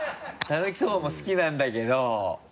たぬきそばも好きなんだけど。